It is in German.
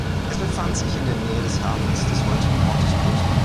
Es befand sich in der Nähe des Hafens des heutigen Ortes Kloster.